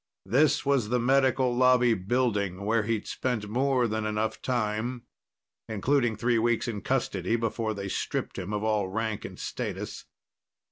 This was the Medical Lobby building, where he'd spent more than enough time, including three weeks in custody before they stripped him of all rank and status.